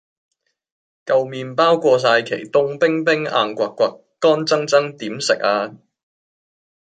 舊麵包過晒期凍冰冰硬掘掘乾爭爭點食呀